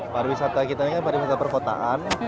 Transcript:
pariwisata kita ini kan pariwisata perkotaan